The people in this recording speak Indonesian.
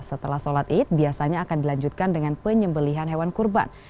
setelah sholat id biasanya akan dilanjutkan dengan penyembelian hewan kurban